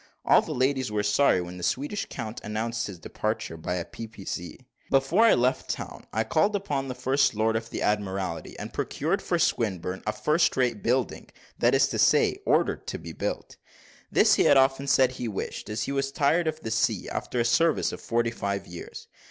All the ladies were sorry when the Swedish count announced his departure by a PPC. Before I left town, I called upon the First Lord of the Admiralty, and procured for Swinburne a first rate, building that is to say, ordered to be built. This he had often said he wished, as he was tired of the sea, after a service of forty five years.